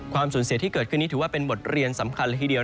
สูญเสียที่เกิดขึ้นนี้ถือว่าเป็นบทเรียนสำคัญเลยทีเดียว